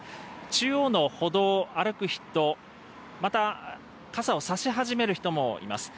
中央の歩道を歩く人、また傘を差し始める人もいます。